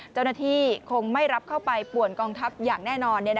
เจ้าหน้าที่คงไม่รับเข้าไปป่วนกองทัพอย่างแน่นอน